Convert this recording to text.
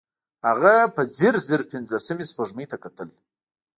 هغه په ځير ځير پينځلسمې سپوږمۍ ته کتل.